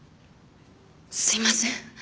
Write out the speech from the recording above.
すいません。